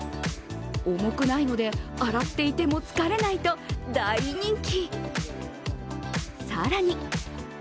重くないので、洗っていても疲れないと大人気。